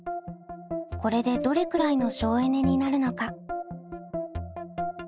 これでどれくらいの省エネになるのか。